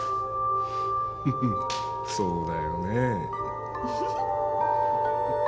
フフッそうだよね。